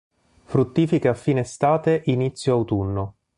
Fruttifica a fine estate-inizio autunno.